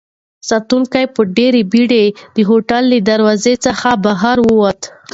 ساتونکی په ډېرې بېړه د هوټل له دروازې څخه بهر ووت.